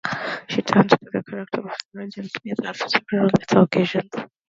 She returned to the character of Sarah Jane Smith on several later occasions.